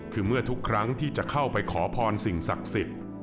คือเมื่อทุกครั้งที่จะเข้าไปขอพรสิ่งศักดิ์สิทธิ์